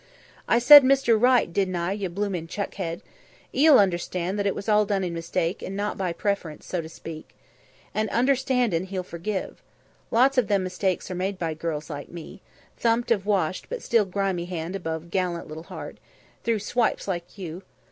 "I said Mr. Right, didn't I, yer bloomin' chuckhead? 'E'll unnerstand that it was all done in mistake, an' not by preference, so to speak. An' unnerstandin', he'll forgive. Lots of them mistakes are made by girls like me" thumping of washed but still grimy hand above gallant little heart "through swipes like you.